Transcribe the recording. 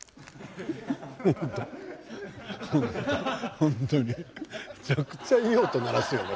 本当にめちゃくちゃいい音鳴らすよね。